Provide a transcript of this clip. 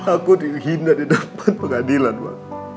aku dihina di depan pengadilan pak